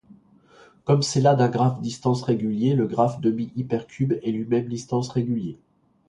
Comme c'est la d'un graphe distance-régulier, le graphe demi-hypercube est lui-même distance-régulier.